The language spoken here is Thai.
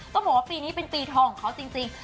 ต้องบอกว่าปีนี้เป็นปีทองของเขาจริง